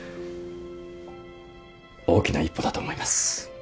大きな一歩だと思います。